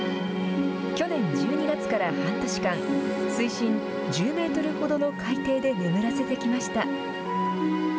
去年１２月から半年間、水深１０メートルほどの海底で眠らせてきました。